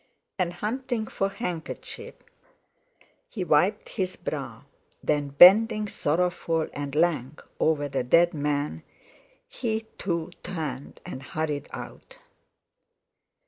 And, hunting for handkerchief he wiped his brow; then, bending sorrowful and lank over the dead man, he too turned and hurried out.